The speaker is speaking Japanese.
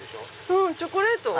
うんチョコレート？